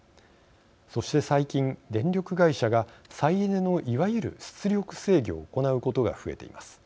そして最近、電力会社が再エネのいわゆる出力制御を行うことが増えています。